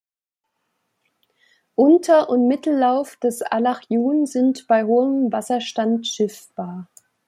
Unter- und Mittellauf des Allach-Jun sind bei hohem Wasserstand schiffbar.